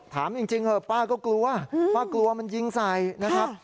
ถามจริงเถอะป้าก็กลัวป้ากลัวมันยิงใส่นะครับ